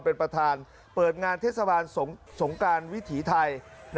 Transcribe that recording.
เป็นประธานเปิดงานเทศบาลสงการวิถีไทย